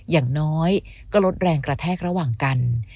อย่างน้อยก็ลดแรงกระแทกระหว่างกัน